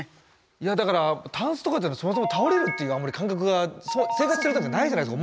いやだからタンスとかそもそも倒れるっていうあんまり感覚が生活してるとないじゃないですか。